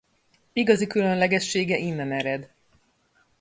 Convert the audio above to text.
Igazi különlegessége innen ered.